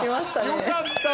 よかった。